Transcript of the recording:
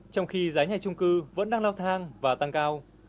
trong khi giá nhà trung cư vẫn đang lao thang và tăng cao